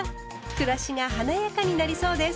暮らしが華やかになりそうです。